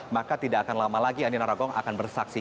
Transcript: maka tidak akan lama lagi andi narogong akan bersaksi